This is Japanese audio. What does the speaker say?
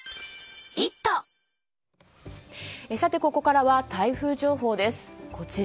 ここからは台風情報です。